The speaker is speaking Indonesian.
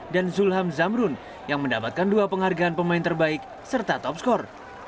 dan zulham zamrun yang mendapatkan dua penghargaan pemain terbaik serta top skor